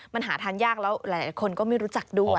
มันหาทานยากแล้วหลายคนก็ไม่รู้จักด้วย